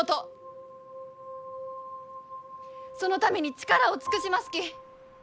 そのために力を尽くしますき。